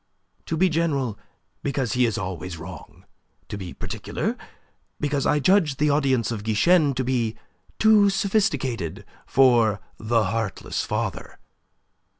"To be general, because he is always wrong. To be particular, because I judge the audience of Guichen to be too sophisticated for 'The Heartless Father.